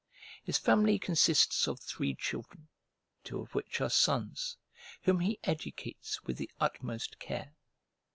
His family consists of three children (two of which are sons), whom he educates with the utmost care.